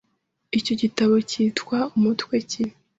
Icyo gitabo cyitwa umutwe ki?